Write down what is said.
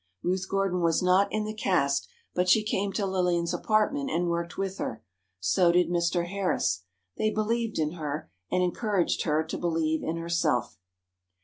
Ruth Gordon was not in the cast, but she came to Lillian's apartment and worked with her. So did Mr. Harris. They believed in her, and encouraged her to believe in herself.